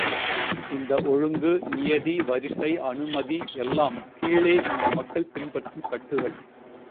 இந்த ஒழுங்கு, நியதி, வரிசை, அனுமதி எல்லாம் கீழே இந்த மக்கள் பின்பற்றும் கட்டுகள்.